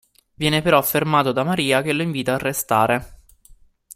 Viene però fermato da Maria, che lo invita a restare.